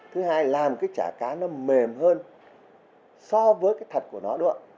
thứ hai làm trả cá mềm hơn so với thật của nó